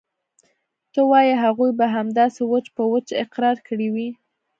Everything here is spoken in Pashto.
ته وايې هغوى به همداسې وچ په وچه اقرار کړى وي.